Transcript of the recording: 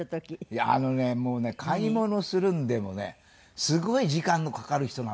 いやあのねもうね買い物するんでもねすごい時間のかかる人なんですよ。